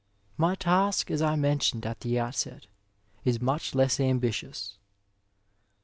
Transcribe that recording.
My task* as I mentioned at the outset, is much less ambitious.